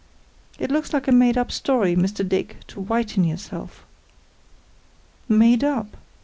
It looks like a made up story, Mr. Dick, to whiten yourself." "Made up!"